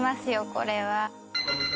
これは。